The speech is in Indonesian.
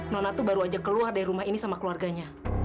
nona tuh baru aja keluar dari rumah ini sama keluarganya